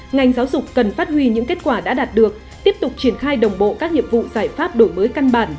ngành giáo dục cần phát huy những kết quả đã đạt được tiếp tục triển khai đồng bộ các nhiệm vụ giải pháp đổi mới căn bản